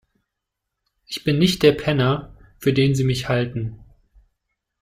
Ich bin nicht der Penner, für den Sie mich halten.